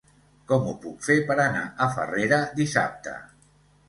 Com ho puc fer per anar a Farrera dissabte?